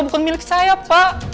bukan milik saya pak